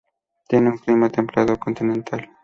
Tiene un clima templado continental.